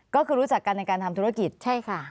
ก็คือรู้จักกันในการทำธุรกิจใช่ค่ะ